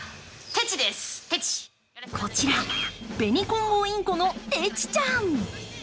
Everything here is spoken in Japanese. こちら、ベニコンゴウインコのテチちゃん。